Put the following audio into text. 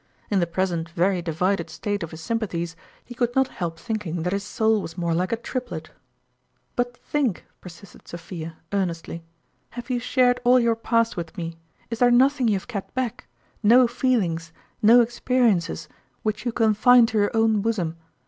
In the present very divided state of his sympathies, he could not help thinking that his Soul was more like a Triplet. " But think," persisted Sophia, earnestly :" have you shared all your Past with me ? Is there nothing you have kept back no feel ings, no experiences, which you confine to your own bosom